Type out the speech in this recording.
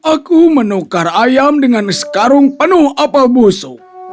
aku menukar ayam dengan sekarung penuh apel busuk